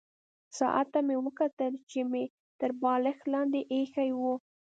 ساعت ته مې وکتل چې مې تر بالښت لاندې ایښی وو.